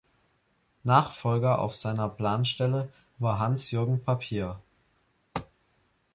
Nachfolger auf seiner Planstelle war Hans-Jürgen Papier.